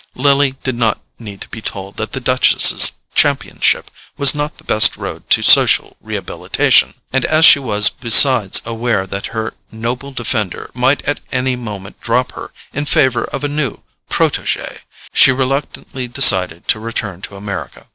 Lily did not need to be told that the Duchess's championship was not the best road to social rehabilitation, and as she was besides aware that her noble defender might at any moment drop her in favour of a new PROTEGEE, she reluctantly decided to return to America.